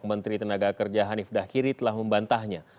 menteri tenaga kerja hanif dahiri telah membantahnya